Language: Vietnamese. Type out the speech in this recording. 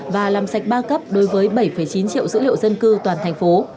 và làm sạch ba cấp đối với bảy chín triệu dữ liệu dân cư toàn tp